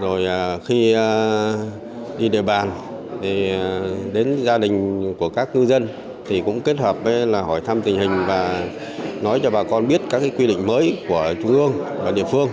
rồi khi đi địa bàn đến gia đình của các cư dân thì cũng kết hợp với hỏi thăm tình hình và nói cho bà con biết các quy định mới của trung ương và địa phương